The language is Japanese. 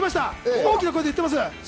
大きい声で言っています。